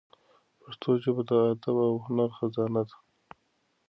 پښتو ژبه د ادب او هنر خزانه ده.